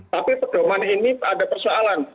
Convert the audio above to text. tapi pedoman ini ada persoalan